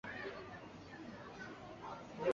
笋兰为兰科笋兰属下的一个种。